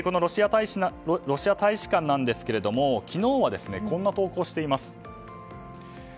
ロシア大使館なんですけども昨日はこんな投稿をしています。